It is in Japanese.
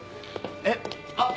えっ！